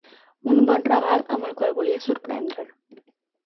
Un bon regal amb el qual volia sorprendre'l.